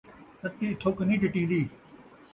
city تُھک نئیں چٹین٘دی